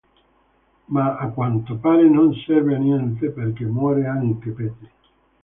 Ma a quanto pare non serve a niente, perché muore anche Pete.